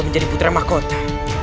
menjadi putra mahkota